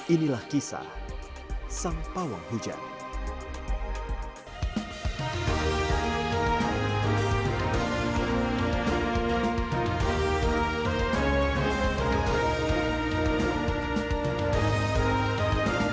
inilah kisah sang pawang hujan